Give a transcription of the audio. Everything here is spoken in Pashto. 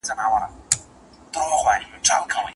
د اولادونو په روزلو او پاللو کي عدل کول د شريعت غوښتنه ده.